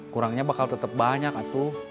kurangnya bakal tetep banyak atuh